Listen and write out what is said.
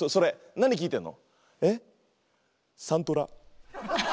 何聴いてんの？